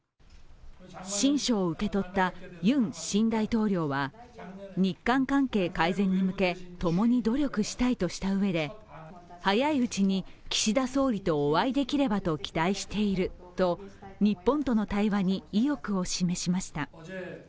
親書を受け取ったユン新大統領は日韓関係改善に向け共に努力したいとしたうえで早いうちに岸田総理とお会いできればと期待していると日本との対話に意欲を示しました。